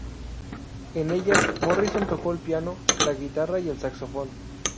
En ellas, Morrison tocó el piano, la guitarra y el saxofón.